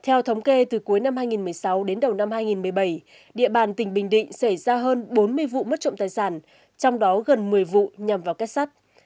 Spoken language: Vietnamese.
theo thống kê từ cuối năm hai nghìn một mươi sáu đến đầu năm hai nghìn một mươi bảy địa bàn tỉnh bình định xảy ra hơn bốn mươi vụ mất trộm tài sản trong đó gần một mươi vụ nhằm vào kết sắt